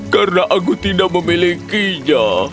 karena aku tidak memilikinya